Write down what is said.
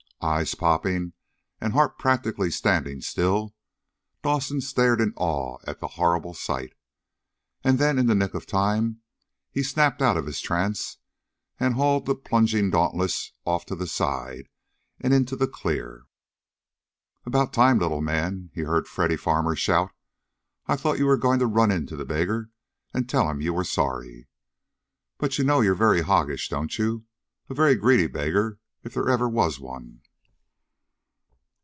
Eyes popping, and heart practically standing still, Dawson stared in awe at the horrible sight. And then in the nick of time he snapped out of his trance, and hauled the plunging Dauntless off to the side and into the clear. "About time, little man!" he heard Freddy Farmer shout. "I thought you were going to run into the beggar, and tell him you were sorry. But you know you're very hoggish, don't you. A very greedy beggar, if there ever was one."